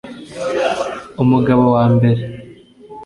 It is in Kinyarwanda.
umugabo wa mbere